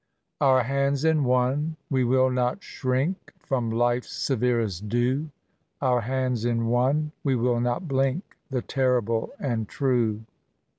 * Our hands In one, we will not shrink From UIb's severest doe :— Oar hands In one, we wHl not blink The teirible and tme."